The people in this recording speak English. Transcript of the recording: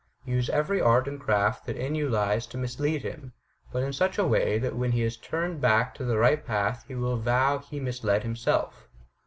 Use every art and craft that in you lies to mislead him, but in such a way that when he is turned back to the right path he will vow he misled himself.